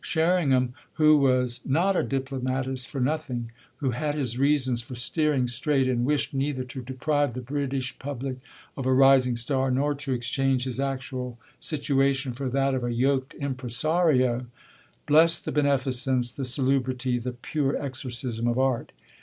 Sherringham, who was not a diplomatist for nothing, who had his reasons for steering straight and wished neither to deprive the British public of a rising star nor to exchange his actual situation for that of a yoked impresario, blessed the beneficence, the salubrity, the pure exorcism of art.